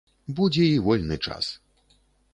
Будзе і вольны час.